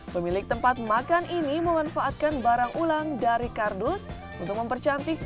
pemilik tempat makan ini memanfaatkan barang ulang dari kardus untuk mempercantik